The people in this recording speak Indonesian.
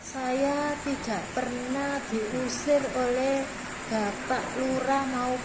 saya tidak pernah diusir oleh bapak lurah maupun